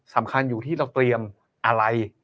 สำคัญอยู่ที่เราเตรียมอะไร